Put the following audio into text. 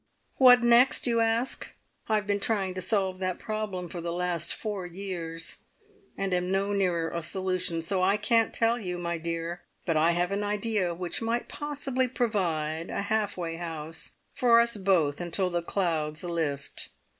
What next? you ask. I have been trying to solve that problem for the last four years, and am no nearer a solution, so I can't tell you, my dear, but I have an idea which might possibly provide a half way house for us both till the clouds lift.